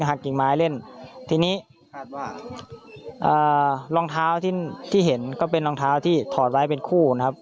หักกิ่งไม้เล่นทีนี้คาดว่ารองเท้าที่ที่เห็นก็เป็นรองเท้าที่ถอดไว้เป็นคู่นะครับ